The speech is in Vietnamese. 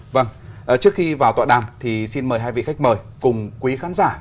vâng trước khi vào tọa đàm thì xin mời hai vị khách mời cùng quý khán giả